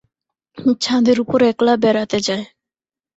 ছাদের উপর একলা বেড়াতে যায়।